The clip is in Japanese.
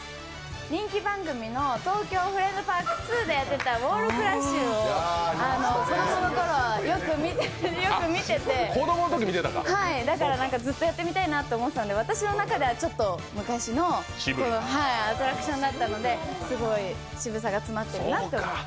人気番組の「東京フレンドパークⅡ」でやっていた「ウォールクラッシュ」を子供のころよく見ててだから、ずっとやってみたいなと思ってたんで私の中ではちょっと昔のアトラクションだったので、すごい渋さが詰まっているなと思って。